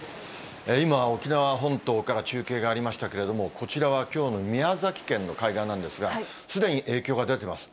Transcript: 今、沖縄本島から中継がありましたけれども、こちらはきょうの宮崎県の海岸なんですが、すでに影響が出ています。